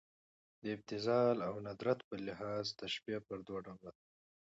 د ابتذال او ندرت په لحاظ تشبیه پر دوه ډوله ده.